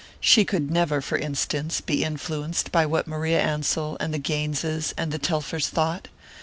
She could never, for instance, be influenced by what Maria Ansell and the Gaineses and the Telfers thought.